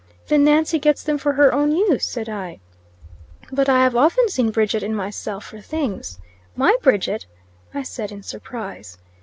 "Then Nancy gets them for her own use," said I. "But I have often seen Bridget in myself for things." "My Bridget!" I said, in surprise.